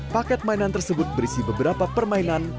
paket mainan tersebut berisi beberapa permainan